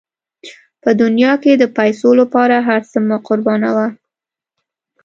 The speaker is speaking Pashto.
په دنیا کې د پیسو لپاره هر څه مه قربانوه.